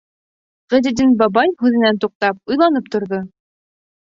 Ғизетдин бабай, һүҙенән туҡтап, уйланып торҙо.